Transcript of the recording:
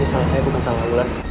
ini salah saya bukan salah wulan